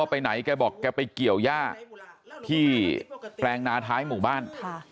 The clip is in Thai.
ไปไหนแกบอกแกไปเกี่ยวย่าที่แปลงนาท้ายหมู่บ้าน